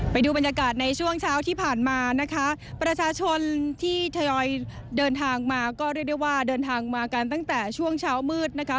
ไปดูบรรยากาศในช่วงเช้าที่ผ่านมานะคะประชาชนที่ทยอยเดินทางมาก็เรียกได้ว่าเดินทางมากันตั้งแต่ช่วงเช้ามืดนะคะ